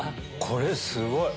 これすごい！